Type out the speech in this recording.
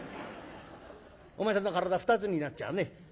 お前さんの体２つになっちゃうね」。